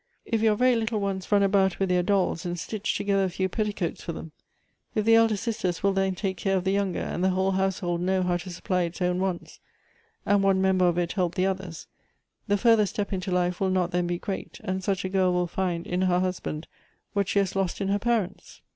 If your very little ones run about with their dolls, and stitch togethei a few petticoats for them ; if the elder sisters will then take care of the younger, and the whole house hold know how to supply its own wants, and one member of it help the others, the further step into life will not th;n be great, and such a girl will find in her husband what she has lost in her parents.